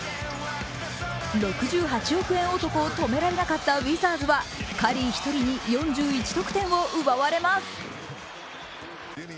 ６８億円男を止められなかったウィザーズはカリー１人に４１得点を奪われます。